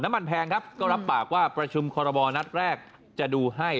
แพงครับก็รับปากว่าประชุมคอรมอลนัดแรกจะดูให้